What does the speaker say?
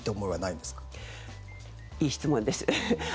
いい質問です。